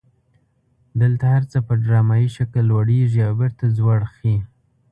دلته هر څه په ډرامایي شکل لوړیږي او بیرته ځوړ خي.